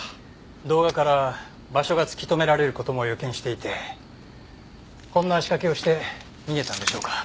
動画から場所が突き止められる事も予見していてこんな仕掛けをして逃げたんでしょうか。